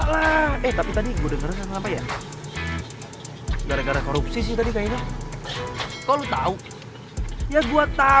katanya aku tidak capek apa